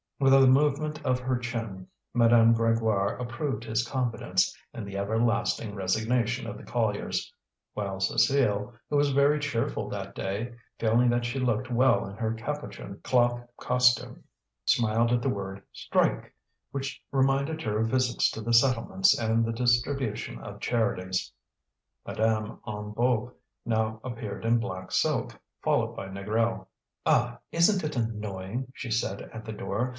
With a movement of her chin, Madame Grégoire approved his confidence in the everlasting resignation of the colliers; while Cécile, who was very cheerful that day, feeling that she looked well in her capuchin cloth costume, smiled at the word "strike," which reminded her of visits to the settlements and the distribution of charities. Madame Hennebeau now appeared in black silk, followed by Négrel. "Ah! isn't it annoying!" she said, at the door.